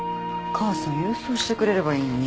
母さん郵送してくれればいいのに。